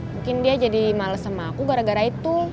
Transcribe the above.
mungkin dia jadi males sama aku gara gara itu